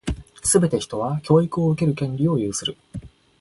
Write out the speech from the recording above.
すべて人は、教育を受ける権利を有する。